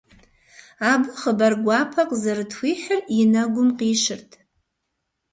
Абы хъыбар гуапэ къызэрытхуихьыр и нэгум къищырт.